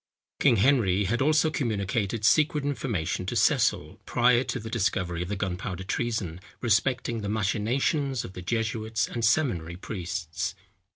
King Henry had also communicated secret information to Cecil, prior to the discovery of the Gunpowder Treason, respecting the machinations of the jesuits and seminary priests.